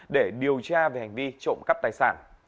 để điều tra về hành vi trộm cắp tài sản